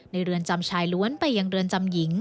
เรือนจำชายล้วนไปยังเรือนจำหญิง